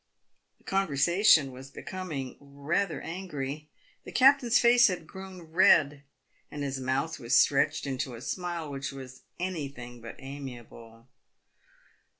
The conversation was becoming rather angry. The captain's face had grown red, and his mouth was stretched into a smile which was anything but amiable.